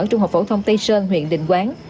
trung học phổ thông tây sơn huyện định quán